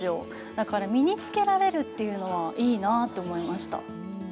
だから、身につけられるというのはいいなぁと思いました。